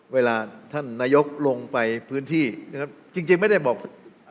เวลาท่านนายกลงไปพื้นที่นะครับจริงจริงไม่ได้บอก